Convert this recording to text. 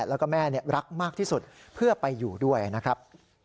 แล้วก็แม่รักมากที่สุดเพื่อไปอยู่ด้วยนะครับ